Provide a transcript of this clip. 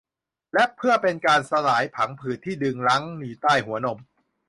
และเพื่อเป็นการสลายพังผืดที่ดึงรั้งอยู่ใต้หัวนม